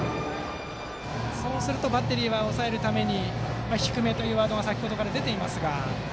バッテリーは抑えるために低めというワードは先程から出ていますが。